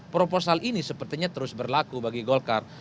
proposal ini sepertinya terus berlaku bagi golkar